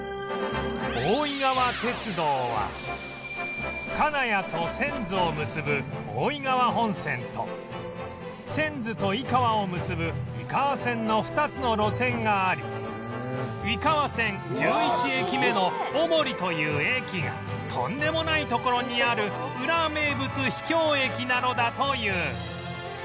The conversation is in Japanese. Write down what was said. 大井川鐵道は金谷と千頭を結ぶ大井川本線と千頭と井川を結ぶ井川線の２つの路線があり井川線１１駅目の尾盛という駅がとんでもない所にあるウラ名物秘境駅なのだという